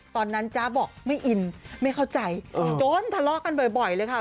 จ๊ะบอกไม่อินไม่เข้าใจจนทะเลาะกันบ่อยเลยค่ะ